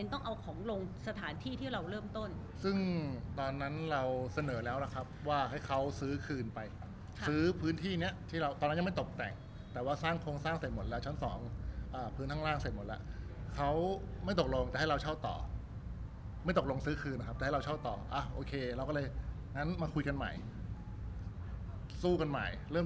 ต้องเอาของลงสถานที่ที่เราเริ่มต้นซึ่งตอนนั้นเราเสนอแล้วล่ะครับว่าให้เขาซื้อคืนไปซื้อพื้นที่เนี้ยที่เราตอนนั้นยังไม่ตกแต่งแต่ว่าสร้างโครงสร้างเสร็จหมดแล้วชั้นสองพื้นข้างล่างเสร็จหมดแล้วเขาไม่ตกลงจะให้เราเช่าต่อไม่ตกลงซื้อคืนนะครับแต่ให้เราเช่าต่ออ่ะโอเคเราก็เลยงั้นมาคุยกันใหม่สู้กันใหม่เริ่ม